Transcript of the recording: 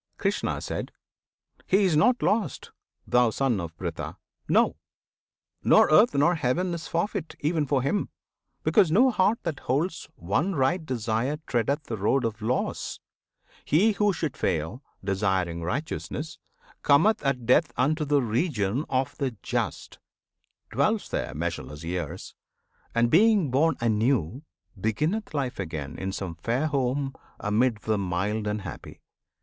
Krishna. He is not lost, thou Son of Pritha! No! Nor earth, nor heaven is forfeit, even for him, Because no heart that holds one right desire Treadeth the road of loss! He who should fail, Desiring righteousness, cometh at death Unto the Region of the Just; dwells there Measureless years, and being born anew, Beginneth life again in some fair home Amid the mild and happy.